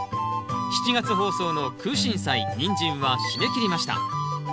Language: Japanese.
７月放送の「クウシンサイ」「ニンジン」は締め切りました。